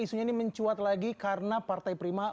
isunya ini mencuat lagi karena partai prima